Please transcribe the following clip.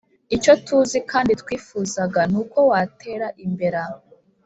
icyo tuzi kandi twifuzaga nuko watera imbera